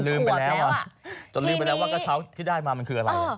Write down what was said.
คือง่ายรูปโตแล้วจนลืมไปแล้วว่าเช้าที่ได้มามันอะไร